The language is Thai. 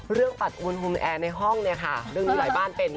ปัดอวนฮุมแอร์ในห้องเนี่ยค่ะเรื่องนี้หลายบ้านเป็น